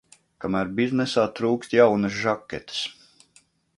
Kamēr biznesā trūkst jaunas žaketes.